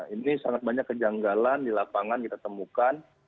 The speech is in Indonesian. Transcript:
ini sangat banyak kejanggalan di lapangan kita temukan